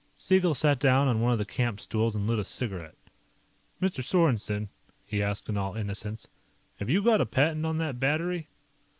Siegel sat down on one of the camp stools and lit a cigarette. "Mr. Sorensen," he asked in all innocence, "have you got a patent on that battery?"